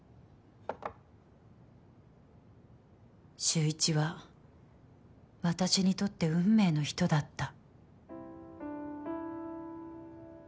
秀一は私にとって運命の人だった。